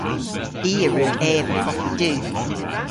I a wrug eva koffi du.